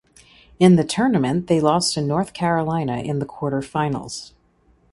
In the tournament they lost to North Carolina in the Quarterfinals.